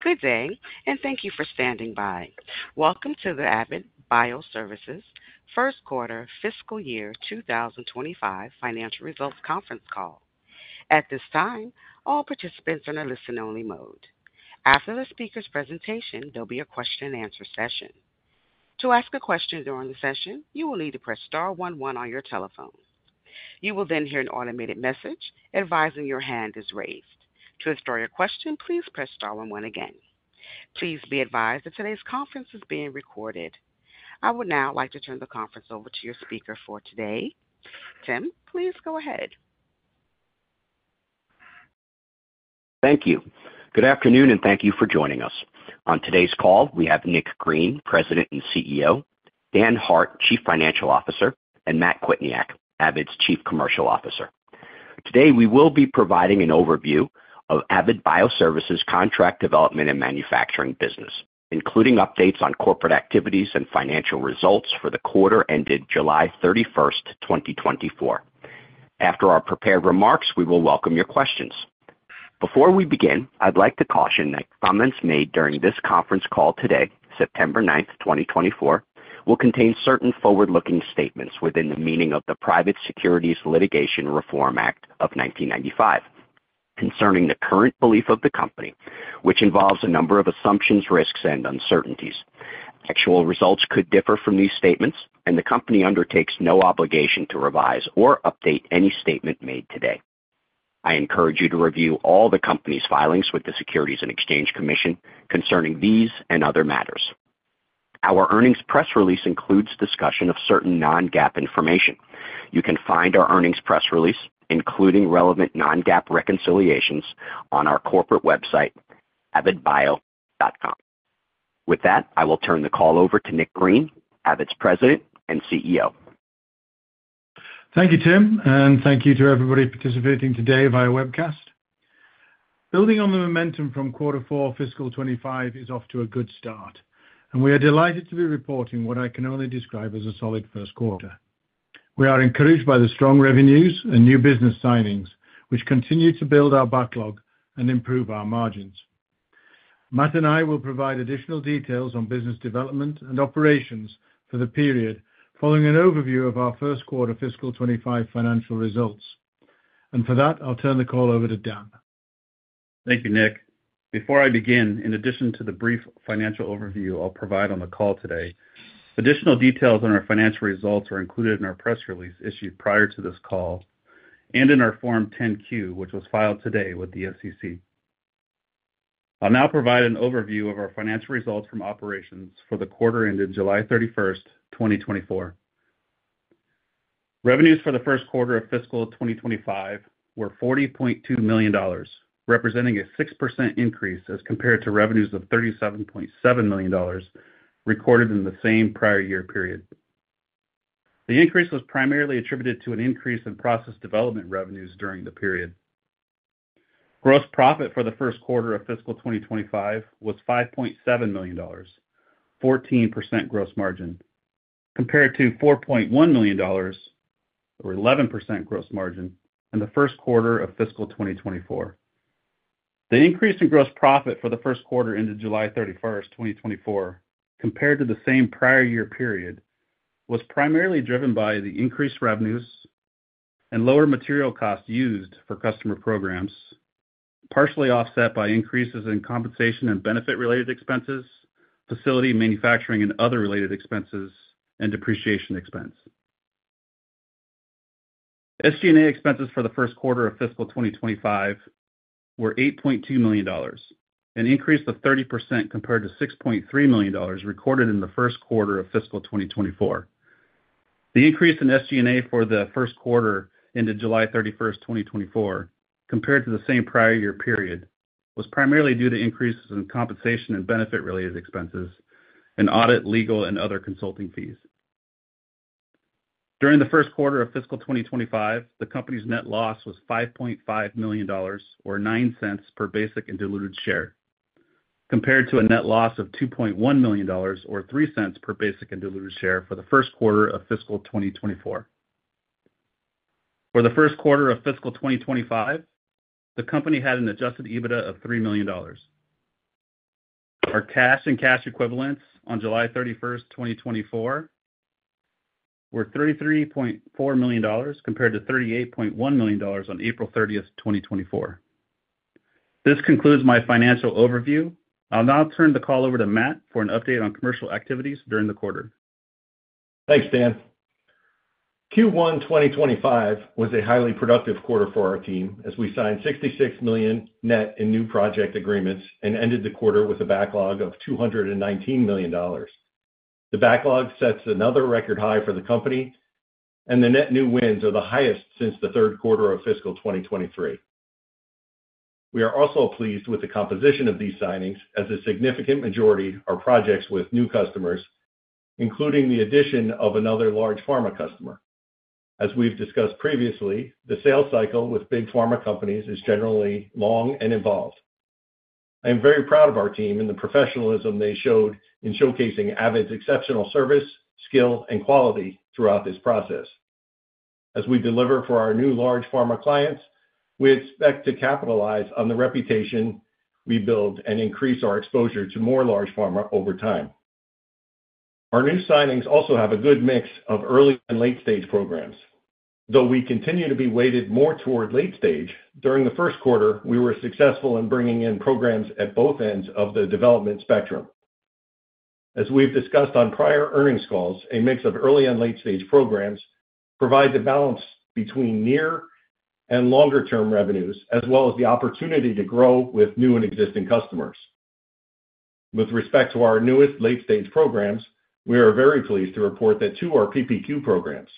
Good day, and thank you for standing by. Welcome to the Avid Bioservices First Quarter Fiscal Year 2025 Financial Results Conference Call. At this time, all participants are in a listen-only mode. After the speaker's presentation, there'll be a question-and-answer session. To ask a question during the session, you will need to press star one one on your telephone. You will then hear an automated message advising your hand is raised. To restore your question, please press star one one again. Please be advised that today's conference is being recorded. I would now like to turn the conference over to your speaker for today. Tim, please go ahead. Thank you. Good afternoon, and thank you for joining us. On today's call, we have Nick Green, President and CEO, Dan Hart, Chief Financial Officer, and Matt Kwietniak, Avid's Chief Commercial Officer. Today, we will be providing an overview of Avid Bioservices contract development and manufacturing business, including updates on corporate activities and financial results for the quarter ended July 31st, 2024. After our prepared remarks, we will welcome your questions. Before we begin, I'd like to caution that comments made during this conference call today, September 9th, 2024, will contain certain forward-looking statements within the meaning of the Private Securities Litigation Reform Act of 1995, concerning the current belief of the company, which involves a number of assumptions, risks, and uncertainties. Actual results could differ from these statements, and the company undertakes no obligation to revise or update any statement made today. I encourage you to review all the company's filings with the Securities and Exchange Commission concerning these and other matters. Our earnings press release includes discussion of certain non-GAAP information. You can find our earnings press release, including relevant non-GAAP reconciliations, on our corporate website, avidbio.com. With that, I will turn the call over to Nick Green, Avid's President and CEO. Thank you, Tim, and thank you to everybody participating today via webcast. Building on the momentum from quarter four, fiscal twenty twenty-five is off to a good start, and we are delighted to be reporting what I can only describe as a solid first quarter. We are encouraged by the strong revenues and new business signings, which continue to build our backlog and improve our margins. Matt and I will provide additional details on business development and operations for the period following an overview of our first quarter fiscal twenty twenty-five financial results, and for that, I'll turn the call over to Dan. Thank you, Nick. Before I begin, in addition to the brief financial overview I'll provide on the call today, additional details on our financial results are included in our press release issued prior to this call and in our Form 10-Q, which was filed today with the SEC. I'll now provide an overview of our financial results from operations for the quarter ended July 31st, 2024. Revenues for the first quarter of fiscal 2025 were $40.2 million, representing a 6% increase as compared to revenues of $37.7 million recorded in the same prior year period. The increase was primarily attributed to an increase in process development revenues during the period. Gross profit for the first quarter of fiscal 2025 was $5.7 million, 14% gross margin, compared to $4.1 million or 11% gross margin in the first quarter of fiscal 2024. The increase in gross profit for the first quarter ended July 31, 2024, compared to the same prior year period, was primarily driven by the increased revenues and lower material costs used for customer programs, partially offset by increases in compensation and benefit-related expenses, facility, manufacturing, and other related expenses and depreciation expense. SG&A expenses for the first quarter of fiscal 2025 were $8.2 million, an increase of 30% compared to $6.3 million recorded in the first quarter of fiscal 2024. The increase in SG&A for the first quarter ended July thirty-first, 2024, compared to the same prior year period, was primarily due to increases in compensation and benefit-related expenses and audit, legal, and other consulting fees. During the first quarter of fiscal 2025, the company's net loss was $5.5 million, or $0.09 per basic and diluted share, compared to a net loss of $2.1 million or $0.03 per basic and diluted share for the first quarter of fiscal 2024. For the first quarter of fiscal 2025, the company had an Adjusted EBITDA of $3 million. Our cash and cash equivalents on July 31st, 2024, were $33.4 million, compared to $38.1 million on April 13th, 2024. This concludes my financial overview. I'll now turn the call over to Matt for an update on commercial activities during the quarter. Thanks, Dan. Q1 2025 was a highly productive quarter for our team, as we signed $66 million net new in project agreements and ended the quarter with a backlog of $219 million. The backlog sets another record high for the company, and the net new wins are the highest since the third quarter of fiscal 2023. We are also pleased with the composition of these signings, as a significant majority are projects with new customers, including the addition of another large pharma customer. As we've discussed previously, the sales cycle with big pharma companies is generally long and involved. I am very proud of our team and the professionalism they showed in showcasing Avid's exceptional service, skill, and quality throughout this process.... as we deliver for our new large pharma clients, we expect to capitalize on the reputation we build and increase our exposure to more large pharma over time. Our new signings also have a good mix of early and late-stage programs. Though we continue to be weighted more toward late stage, during the first quarter, we were successful in bringing in programs at both ends of the development spectrum. As we've discussed on prior earnings calls, a mix of early and late-stage programs provide the balance between near and longer-term revenues, as well as the opportunity to grow with new and existing customers. With respect to our newest late-stage programs, we are very pleased to report that two are PPQ programs,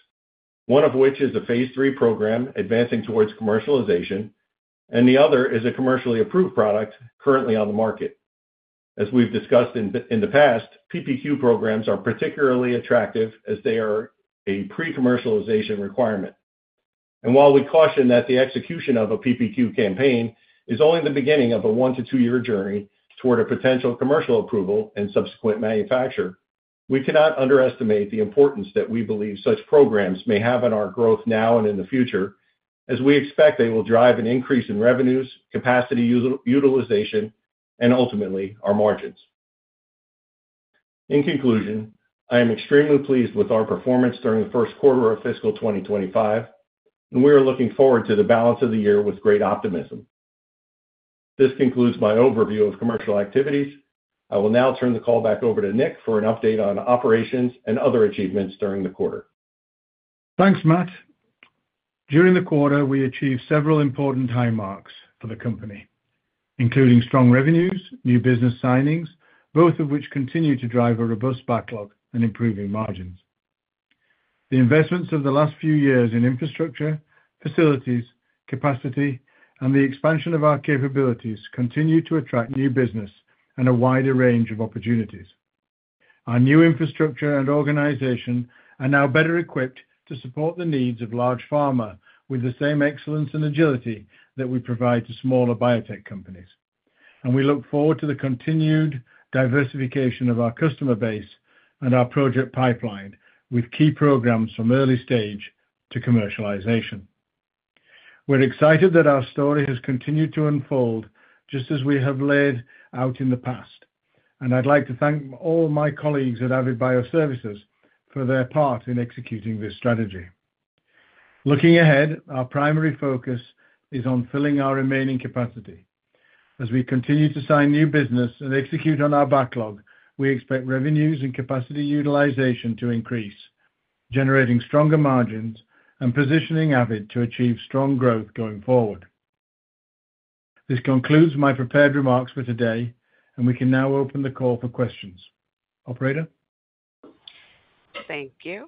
one of which is a phase three program advancing towards commercialization, and the other is a commercially approved product currently on the market. As we've discussed in the past, PPQ programs are particularly attractive as they are a pre-commercialization requirement. And while we caution that the execution of a PPQ campaign is only the beginning of a one to two-year journey toward a potential commercial approval and subsequent manufacture, we cannot underestimate the importance that we believe such programs may have on our growth now and in the future, as we expect they will drive an increase in revenues, capacity utilization, and ultimately, our margins. In conclusion, I am extremely pleased with our performance during the first quarter of fiscal 2025, and we are looking forward to the balance of the year with great optimism. This concludes my overview of commercial activities. I will now turn the call back over to Nick for an update on operations and other achievements during the quarter. Thanks, Matt. During the quarter, we achieved several important high marks for the company, including strong revenues, new business signings, both of which continue to drive a robust backlog and improving margins. The investments of the last few years in infrastructure, facilities, capacity, and the expansion of our capabilities continue to attract new business and a wider range of opportunities. Our new infrastructure and organization are now better equipped to support the needs of large pharma with the same excellence and agility that we provide to smaller biotech companies. And we look forward to the continued diversification of our customer base and our project pipeline with key programs from early stage to commercialization. We're excited that our story has continued to unfold just as we have laid out in the past, and I'd like to thank all my colleagues at Avid Bioservices for their part in executing this strategy. Looking ahead, our primary focus is on filling our remaining capacity. As we continue to sign new business and execute on our backlog, we expect revenues and capacity utilization to increase, generating stronger margins and positioning Avid to achieve strong growth going forward. This concludes my prepared remarks for today, and we can now open the call for questions. Operator? Thank you.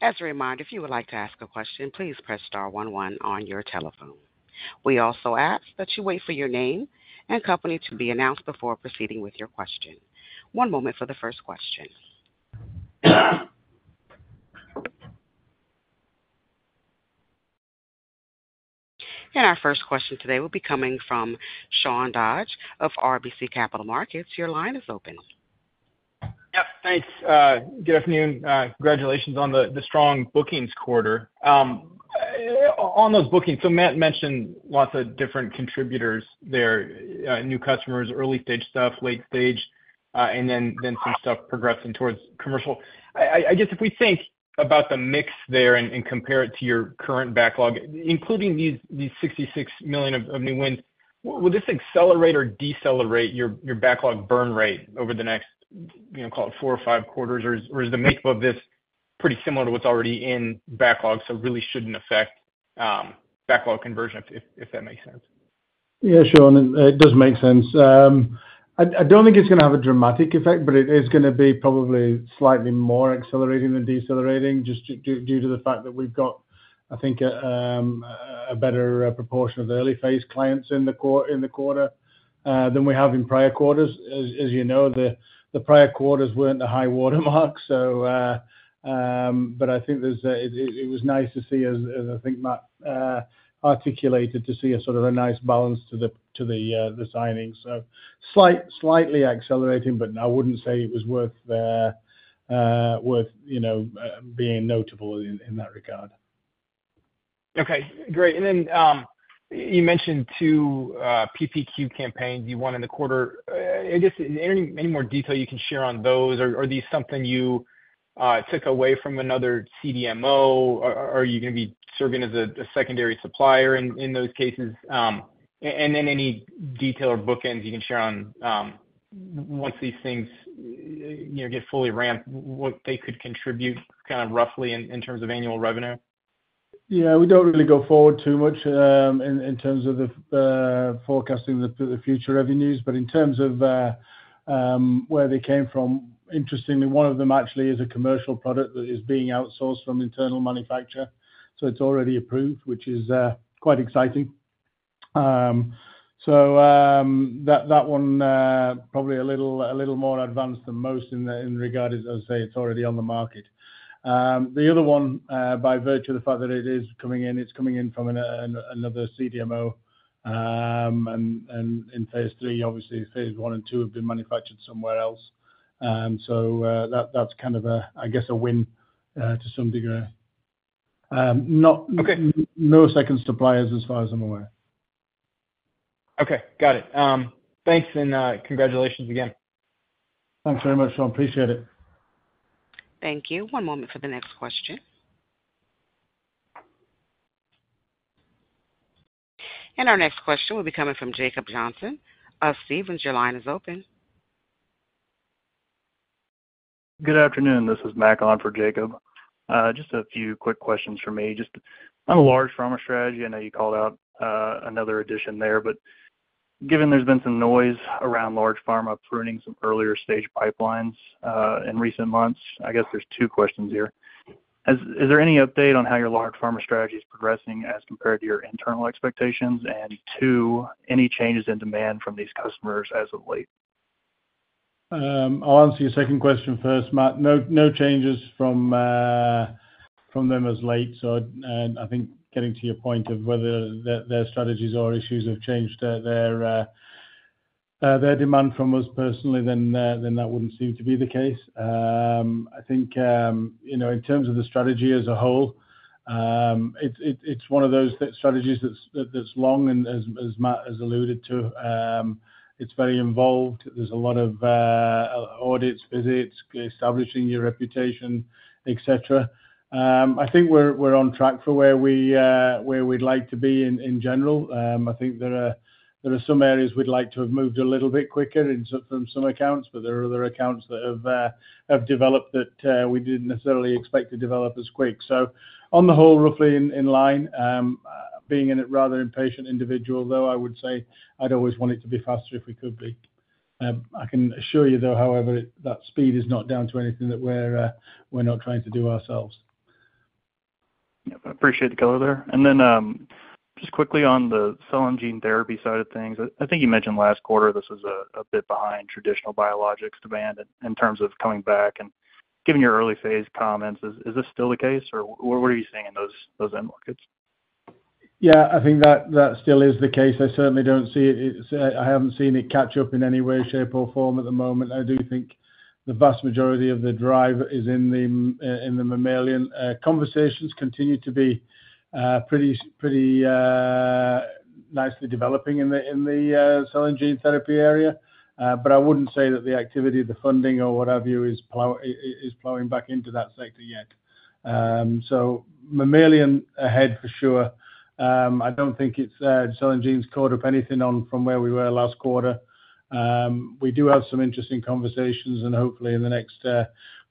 As a reminder, if you would like to ask a question, please press star one one on your telephone. We also ask that you wait for your name and company to be announced before proceeding with your question. One moment for the first question, and our first question today will be coming from Sean Dodge of RBC Capital Markets. Your line is open. Yeah, thanks. Good afternoon. Congratulations on the strong bookings quarter. On those bookings, so Matt mentioned lots of different contributors there, new customers, early stage stuff, late stage, and then some stuff progressing towards commercial. I guess if we think about the mix there and compare it to your current backlog, including these $66 million of new wins, will this accelerate or decelerate your backlog burn rate over the next, you know, call it four or five quarters? Or is the makeup of this pretty similar to what's already in backlog, so it really shouldn't affect backlog conversion, if that makes sense? Yeah, Sean, it does make sense. I don't think it's gonna have a dramatic effect, but it is gonna be probably slightly more accelerating than decelerating, just due to the fact that we've got, I think, a better proportion of early phase clients in the quarter than we have in prior quarters. As you know, the prior quarters weren't the high water mark. So, but I think it was nice to see as I think Matt articulated, to see a sort of a nice balance to the signings. So slightly accelerating, but I wouldn't say it was worth, you know, being notable in that regard. Okay, great. And then, you mentioned two PPQ campaigns you won in the quarter. I guess, any more detail you can share on those? Are these something you took away from another CDMO, or are you gonna be serving as a secondary supplier in those cases? And then any detail or bookends you can share on, once these things you know get fully ramped, what they could contribute kind of roughly in terms of annual revenue? Yeah, we don't really go forward too much in terms of the forecasting the future revenues, but in terms of where they came from, interestingly, one of them actually is a commercial product that is being outsourced from internal manufacture, so it's already approved, which is quite exciting. So, that one probably a little more advanced than most in regard, as I say, it's already on the market. The other one by virtue of the fact that it is coming in, it's coming in from another CDMO, and in phase three, obviously phase one and two have been manufactured somewhere else. So, that's kind of a, I guess, a win to some degree. Not- Okay. No second suppliers, as far as I'm aware. Okay, got it. Thanks, and congratulations again. Thanks very much, Sean. Appreciate it. Thank you. One moment for the next question. Our next question will be coming from Jacob Johnson of Stephens. Your line is open. Good afternoon. This is Matt on for Jacob. Just a few quick questions from me. Just on a large pharma strategy, I know you called out, another addition there, but given there's been some noise around large pharma pruning some earlier stage pipelines, in recent months, I guess there's two questions here: is there any update on how your large pharma strategy is progressing as compared to your internal expectations? And two, any changes in demand from these customers as of late? I'll answer your second question first, Matt. No changes from them as of late. So, and I think getting to your point of whether their strategies or issues have changed. Their demand from us personally, then that wouldn't seem to be the case. I think, you know, in terms of the strategy as a whole, it's one of those strategies that's long and as Matt has alluded to, it's very involved. There's a lot of audits, visits, establishing your reputation, et cetera. I think we're on track for where we'd like to be in general. I think there are some areas we'd like to have moved a little bit quicker in some accounts, but there are other accounts that have developed that we didn't necessarily expect to develop as quick. So on the whole, roughly in line. Being a rather impatient individual, though, I would say I'd always want it to be faster if we could be. I can assure you, though, however, that speed is not down to anything that we're not trying to do ourselves. Yep, I appreciate the color there. And then, just quickly on the cell and gene therapy side of things, I think you mentioned last quarter, this is a bit behind traditional biologics demand in terms of coming back and giving your early phase comments. Is this still the case, or what are you seeing in those end markets? Yeah, I think that still is the case. I certainly don't see it. I haven't seen it catch up in any way, shape, or form at the moment. I do think the vast majority of the drive is in the mammalian. Conversations continue to be pretty, pretty nicely developing in the cell and gene therapy area, but I wouldn't say that the activity, the funding or what have you, is plowing back into that sector yet. So mammalian ahead for sure. I don't think it's cell and gene's caught up anything on from where we were last quarter. We do have some interesting conversations, and hopefully in the next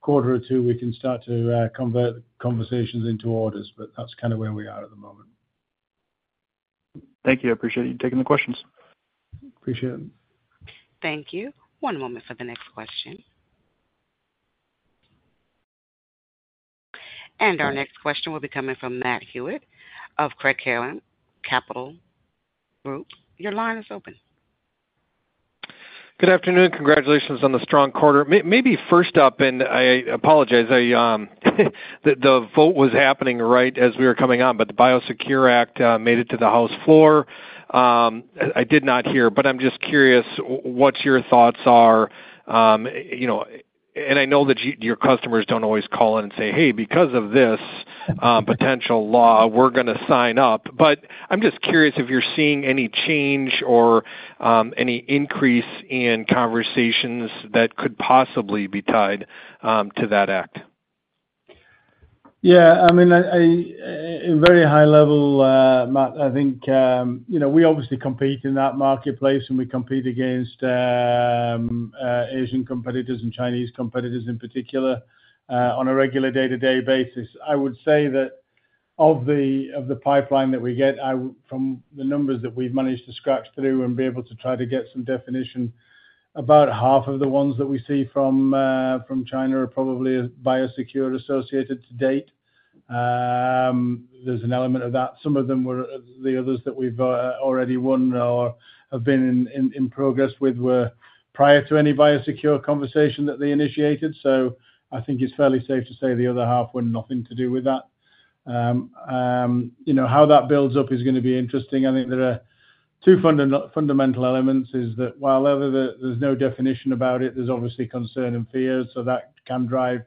quarter or two, we can start to convert conversations into orders, but that's kind of where we are at the moment. Thank you. I appreciate you taking the questions. Appreciate it. Thank you. One moment for the next question. And our next question will be coming from Matt Hewitt of Craig-Hallum Capital Group. Your line is open. Good afternoon. Congratulations on the strong quarter. Maybe first up, and I apologize, the vote was happening right as we were coming on, but the Biosecure Act made it to the House floor. I did not hear, but I'm just curious what your thoughts are. You know, and I know that your customers don't always call in and say, "Hey, because of this potential law, we're gonna sign up," but I'm just curious if you're seeing any change or any increase in conversations that could possibly be tied to that act. Yeah, I mean, in very high level, Matt, I think, you know, we obviously compete in that marketplace, and we compete against, Asian competitors and Chinese competitors in particular, on a regular day-to-day basis. I would say that of the pipeline that we get, from the numbers that we've managed to scratch through and be able to try to get some definition, about half of the ones that we see from China are probably Biosecure associated to date. There's an element of that. Some of them were, the others that we've already won or have been in progress with were prior to any Biosecure conversation that they initiated. So I think it's fairly safe to say the other half were nothing to do with that. You know, how that builds up is gonna be interesting. I think there are two fundamental elements, is that whenever there, there's no definition about it, there's obviously concern and fear, so that can drive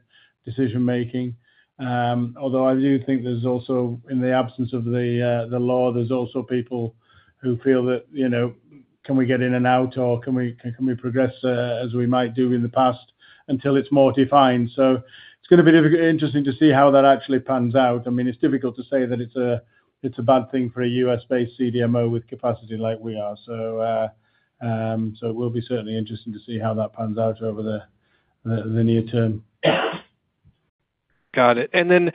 decision making. Although I do think there's also, in the absence of the law, there's also people who feel that, you know, can we get in and out, or can we progress as we might do in the past until it's more defined? So it's gonna be interesting to see how that actually pans out. I mean, it's difficult to say that it's a bad thing for a U.S.-based CDMO with capacity like we are. So it will be certainly interesting to see how that pans out over the near term. Got it. And then,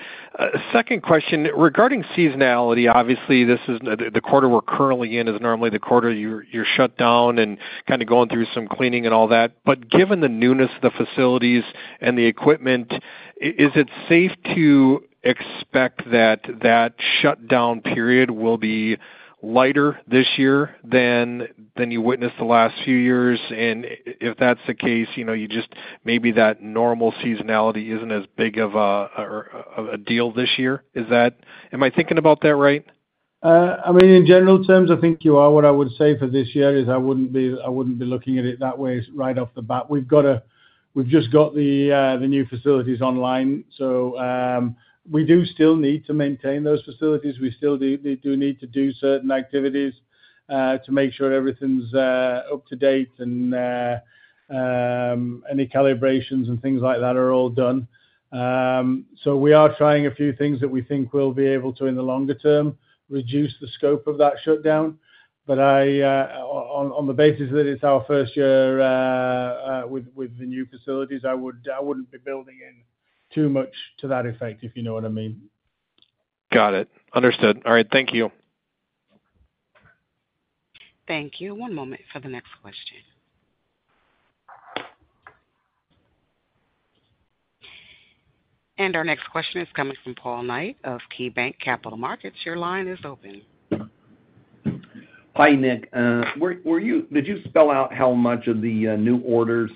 second question, regarding seasonality, obviously, this is the quarter we're currently in is normally the quarter you're shut down and kind of going through some cleaning and all that. But given the newness of the facilities and the equipment, is it safe to expect that that shut down period will be lighter this year than you witnessed the last few years? And if that's the case, you know, you just maybe that normal seasonality isn't as big of a deal this year. Is that? Am I thinking about that right?... I mean, in general terms, I think you are. What I would say for this year is I wouldn't be looking at it that way right off the bat. We've just got the new facilities online, so we do still need to maintain those facilities. We still need to do certain activities to make sure everything's up to date and any calibrations and things like that are all done. So we are trying a few things that we think we'll be able to, in the longer term, reduce the scope of that shutdown. But I, on the basis that it's our first year with the new facilities, I wouldn't be building in too much to that effect, if you know what I mean. Got it. Understood. All right, thank you. Thank you. One moment for the next question. And our next question is coming from Paul Knight of KeyBanc Capital Markets. Your line is open. Hi, Nick. Did you spell out how much of the new orders,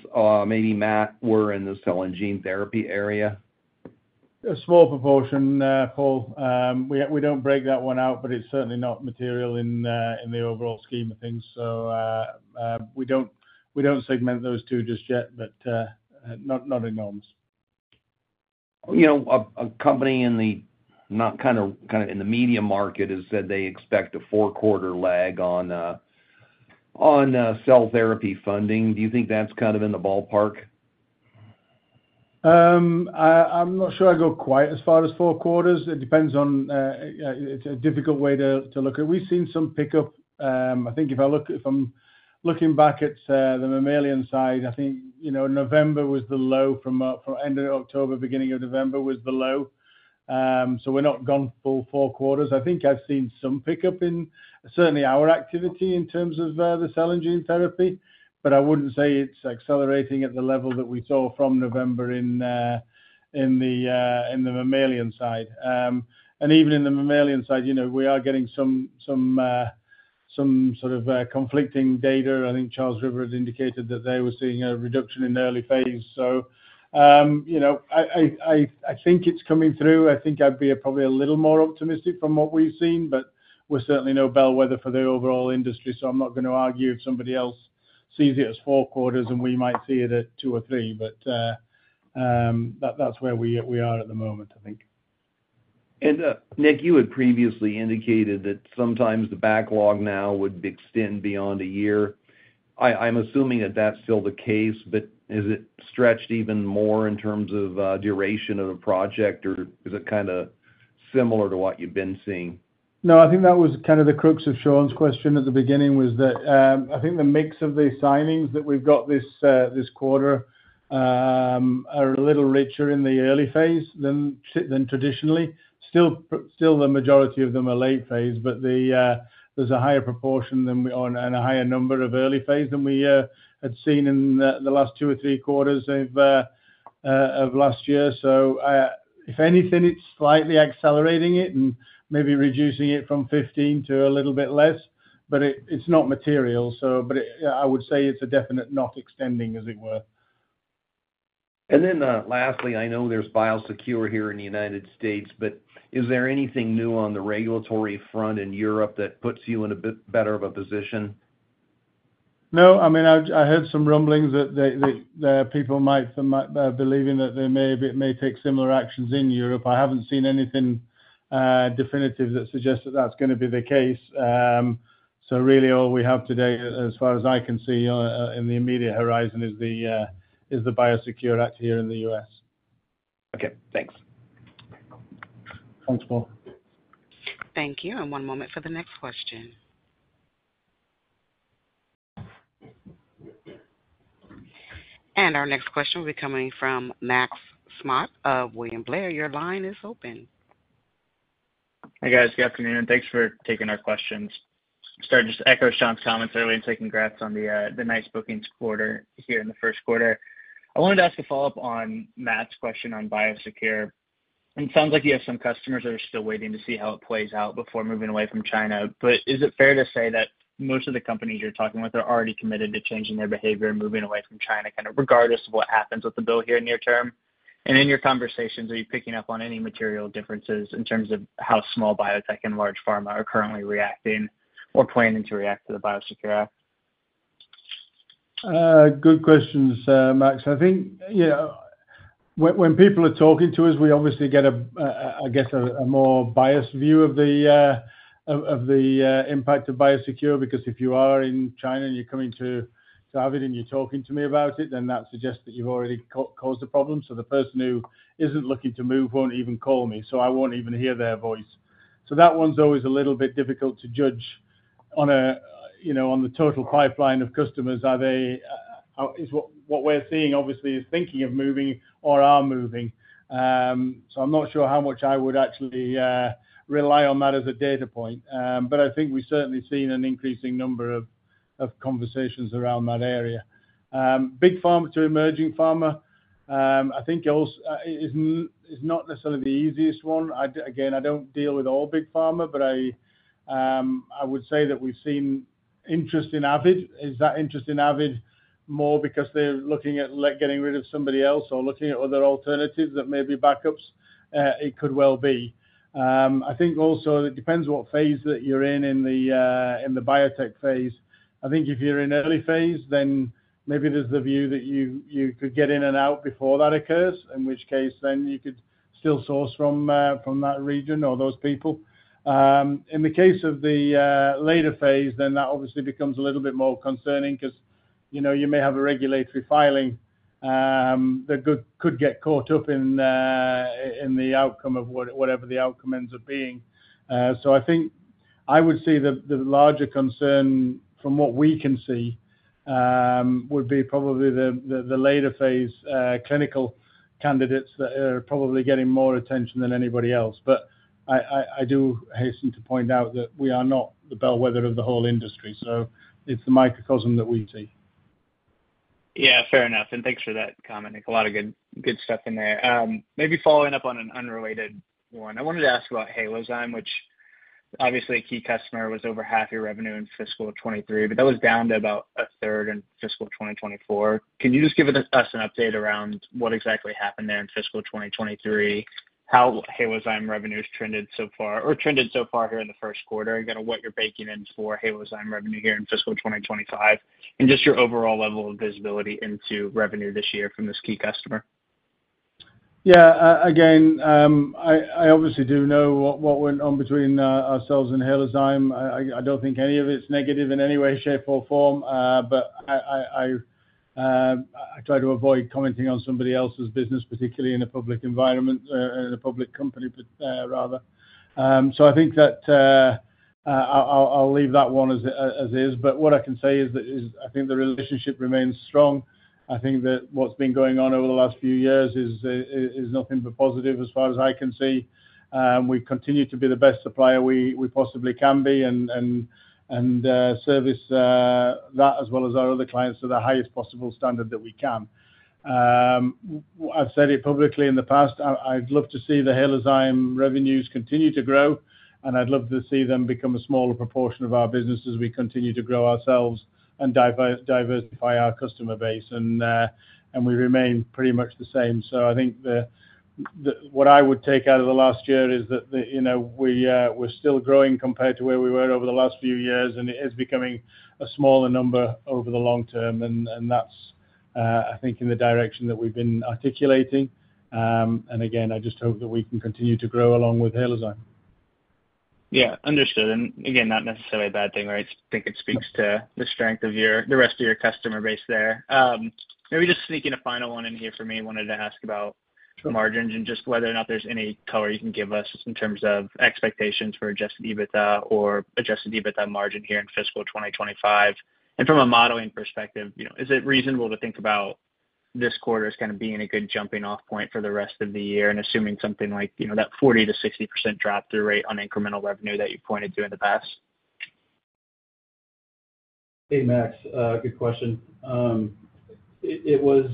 maybe Matt, were in the cell and gene therapy area? A small proportion, Paul. We don't break that one out, but it's certainly not material in the overall scheme of things. So, we don't segment those two just yet, but not enormous. You know, a company kinda in the medium market has said they expect a four quarter lag on cell therapy funding. Do you think that's kind of in the ballpark? I'm not sure I'd go quite as far as four quarters. It depends on. It's a difficult way to look at. We've seen some pickup. I think if I'm looking back at the mammalian side, I think, you know, November was the low from end of October, beginning of November was the low. So we're not gone full four quarters. I think I've seen some pickup in certainly our activity in terms of the cell and gene therapy, but I wouldn't say it's accelerating at the level that we saw from November in the mammalian side. And even in the mammalian side, you know, we are getting some sort of conflicting data. I think Charles River has indicated that they were seeing a reduction in the early phase. So, you know, I think it's coming through. I think I'd be probably a little more optimistic from what we've seen, but we're certainly no bellwether for the overall industry, so I'm not going to argue if somebody else sees it as four quarters, and we might see it at two or three. But, that's where we are at the moment, I think. Nick, you had previously indicated that sometimes the backlog now would extend beyond a year. I'm assuming that that's still the case, but is it stretched even more in terms of duration of a project, or is it kinda similar to what you've been seeing? No, I think that was kind of the crux of Sean's question at the beginning, was that I think the mix of the signings that we've got this quarter are a little richer in the early phase than traditionally. Still, the majority of them are late phase, but there's a higher proportion than we and a higher number of early phase than we had seen in the last two or three quarters of last year. So, if anything, it's slightly accelerating it and maybe reducing it from 15 to a little bit less, but it's not material, but I would say it's a definite not extending, as it were. And then, lastly, I know there's Biosecure here in the United States, but is there anything new on the regulatory front in Europe that puts you in a bit better of a position? No. I mean, I've heard some rumblings that people might be believing that they may take similar actions in Europe. I haven't seen anything definitive that suggests that that's gonna be the case, so really all we have today, as far as I can see, in the immediate horizon, is the Biosecure Act here in the U.S. Okay, thanks. Thanks, Paul. Thank you. One moment for the next question. Our next question will be coming from Max Smock of William Blair. Your line is open. Hi, guys. Good afternoon, and thanks for taking our questions. So I just echo Sean's comments earlier, and congrats on the nice bookings quarter here in the first quarter. I wanted to ask a follow-up on Matt's question on Biosecure. It sounds like you have some customers that are still waiting to see how it plays out before moving away from China. But is it fair to say that most of the companies you're talking with are already committed to changing their behavior and moving away from China, kind of, regardless of what happens with the bill here near term? And in your conversations, are you picking up on any material differences in terms of how small biotech and large pharma are currently reacting or planning to react to the Biosecure Act? Good questions, Max. I think, you know, when people are talking to us, we obviously get a, I guess, a more biased view of the impact of Biosecure, because if you are in China and you're coming to Avid, and you're talking to me about it, then that suggests that you've already caused a problem. So the person who isn't looking to move won't even call me, so I won't even hear their voice. So that one's always a little bit difficult to judge on a, you know, on the total pipeline of customers. Is what we're seeing, obviously, is thinking of moving or are moving. So I'm not sure how much I would actually rely on that as a data point. But I think we've certainly seen an increasing number of conversations around that area. Big pharma to emerging pharma, I think also is not necessarily the easiest one. Again, I don't deal with all big pharma, but I would say that we've seen interest in Avid. Is that interest in Avid more because they're looking at getting rid of somebody else or looking at other alternatives that may be backups? It could well be. I think also it depends what phase that you're in, in the biotech phase. I think if you're in early phase, then maybe there's the view that you could get in and out before that occurs, in which case, then you could still source from that region or those people. In the case of the later phase, then that obviously becomes a little bit more concerning because, you know, you may have a regulatory filing that could get caught up in the outcome of whatever the outcome ends up being. So I think I would say that the larger concern from what we can see would be probably the later phase clinical candidates that are probably getting more attention than anybody else. But I do hasten to point out that we are not the bellwether of the whole industry, so it's the microcosm that we see. Yeah, fair enough, and thanks for that comment. Nick, a lot of good stuff in there. Maybe following up on an unrelated one, I wanted to ask about Halozyme, which obviously a key customer, was over half your revenue in fiscal 2023, but that was down to about a third in fiscal 2024. Can you just give us an update around what exactly happened there in fiscal 2023, how Halozyme revenue has trended so far here in the first quarter? Again, what you're baking in for Halozyme revenue here in fiscal 2025, and just your overall level of visibility into revenue this year from this key customer. Yeah, again, I obviously do know what went on between ourselves and Halozyme. I don't think any of it's negative in any way, shape, or form, but I try to avoid commenting on somebody else's business, particularly in a public environment, in a public company, but rather. So I think that, I'll leave that one as is. But what I can say is that, I think the relationship remains strong. I think that what's been going on over the last few years is nothing but positive as far as I can see. We continue to be the best supplier we possibly can be and service that as well as our other clients to the highest possible standard that we can. I've said it publicly in the past. I'd love to see the Halozyme revenues continue to grow, and I'd love to see them become a smaller proportion of our business as we continue to grow ourselves and diversify our customer base, and we remain pretty much the same. So I think what I would take out of the last year is that, you know, we're still growing compared to where we were over the last few years, and it is becoming a smaller number over the long term, and that's, I think, in the direction that we've been articulating. Again, I just hope that we can continue to grow along with Halozyme. Yeah, understood. And again, not necessarily a bad thing, right? I think it speaks to the strength of your, the rest of your customer base there. Maybe just sneaking a final one in here for me. Wanted to ask about the margins and just whether or not there's any color you can give us in terms of expectations for Adjusted EBITDA or Adjusted EBITDA margin here in fiscal 2025. And from a modeling perspective, you know, is it reasonable to think about this quarter as kind of being a good jumping off point for the rest of the year and assuming something like, you know, that 40%-60% drop-through rate on incremental revenue that you pointed to in the past? Hey, Max, good question. It was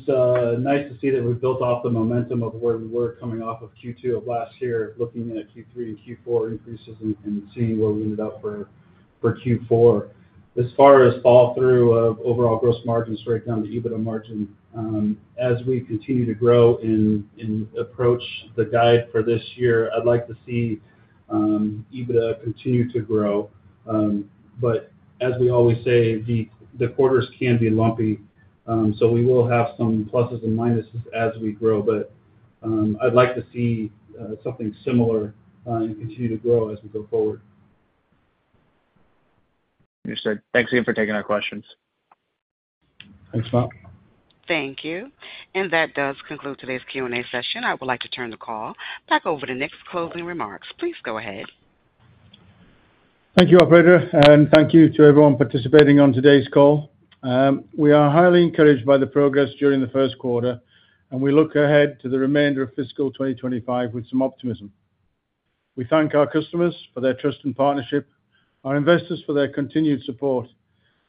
nice to see that we've built off the momentum of where we were coming off of Q2 of last year, looking at Q3 and Q4 increases and seeing where we ended up for Q4. As far as fall-through of overall gross margins right down to EBITDA margin, as we continue to grow and approach the guide for this year, I'd like to see EBITDA continue to grow. But as we always say, the quarters can be lumpy, so we will have some pluses and minuses as we grow. I'd like to see something similar and continue to grow as we go forward. Understood. Thanks again for taking our questions. Thanks, Max. Thank you. And that does conclude today's Q&A session. I would like to turn the call back over to Nick's closing remarks. Please go ahead. Thank you, operator, and thank you to everyone participating on today's call. We are highly encouraged by the progress during the first quarter, and we look ahead to the remainder of fiscal 2025 with some optimism. We thank our customers for their trust and partnership, our investors for their continued support,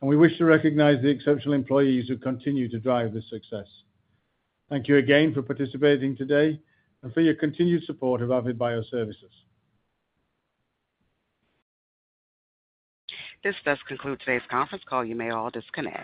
and we wish to recognize the exceptional employees who continue to drive this success. Thank you again for participating today and for your continued support of Avid Bioservices. This does conclude today's conference call. You may all disconnect.